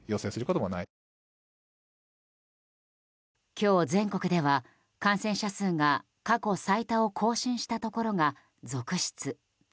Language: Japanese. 今日、全国では感染者数が過去最多を更新したところが続出。